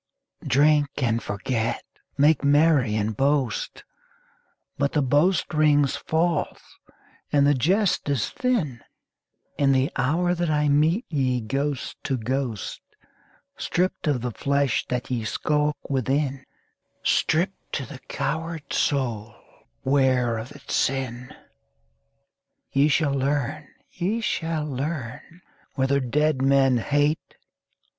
Drink and forget, make merry and boast, But the boast rings false and the jest is thin In the hour that I meet ye ghost to ghost, Stripped of the flesh that ye skulk within, Stripped to the coward soul 'ware of its sin, Ye shall learn, ye shall learn, whether dead men hate!